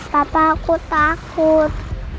papa aku takut